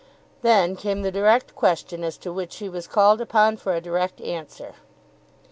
Then came the direct question as to which he was called upon for a direct answer.